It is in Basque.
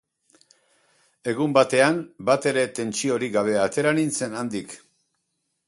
Egun batean bat ere tentsiorik gabe atera nintzen handik.